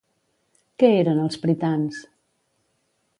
Què eren els pritans?